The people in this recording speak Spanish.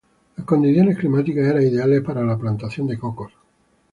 Las condiciones climáticas eran ideales para la plantación de cocos.